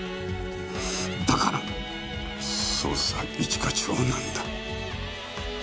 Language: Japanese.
だから捜査一課長なんだ。